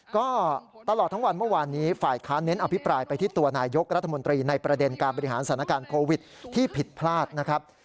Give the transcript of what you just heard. ก็ตลอดทั้งวันเมื่อวานนี้ฝ่ายค้าเน้นอภิปรายไปที่ตัวนายกรัฐมนตรีในประเด็นการบริหารสถานการณ์โควิดที่ผิดพลาดนะครับ